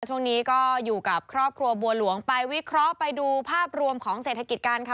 ช่วงนี้ก็อยู่กับครอบครัวบัวหลวงไปวิเคราะห์ไปดูภาพรวมของเศรษฐกิจกันค่ะ